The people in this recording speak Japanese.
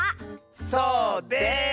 そうです！